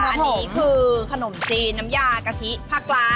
นี่คือขนมจีนน้ำยากะทิภาคล้าง